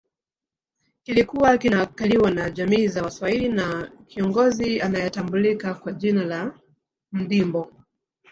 Kilikuwa kinakaliwa na jamii za Waswahili na kiongozi anayetambulika kwa jina la Mndimbo